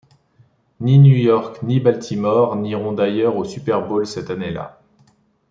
Ni New York ni Baltimore n'iront d'ailleurs au SuperBowl cette année-là.